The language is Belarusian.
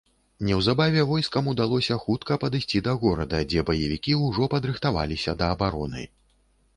Неўзабаве войскам удалося хутка падысці да горада, дзе баевікі ўжо падрыхтаваліся да абароны.